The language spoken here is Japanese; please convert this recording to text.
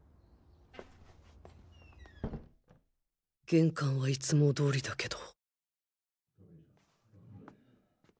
玄関はいつも通りだけど